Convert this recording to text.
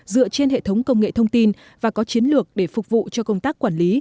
dựa trên hệ thống công nghệ thông tin và có chiến lược để phục vụ cho công tác quản lý